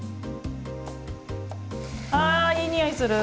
あいい匂いする！